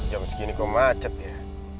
jam segini kok macet ya